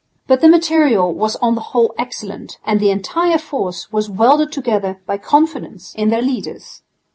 But the material was on the whole excellent, and the entire force was welded together by confidence in their leaders.